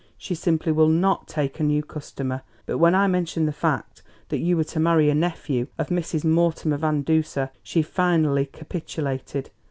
She simply will not take a new customer; but when I mentioned the fact that you were to marry a nephew of Mrs. Mortimer Van Duser she finally capitulated.